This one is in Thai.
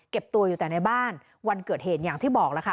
ตัวอยู่แต่ในบ้านวันเกิดเหตุอย่างที่บอกแล้วค่ะ